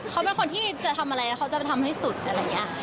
เขาเป็นคนที่จะทำอะไรแล้วเขาจะไปทำให้สุดอะไรอย่างนี้